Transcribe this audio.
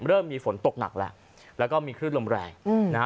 เริ่มมีฝนตกหนักแล้วแล้วก็มีคลื่นลมแรงนะฮะ